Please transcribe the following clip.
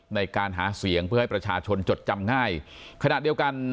ในการหาเสียงเพื่อให้ประชาชนจดจำง่ายขณะเดียวกัน